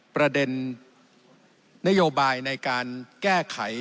ประเด็นนโยบายในการแก้ไข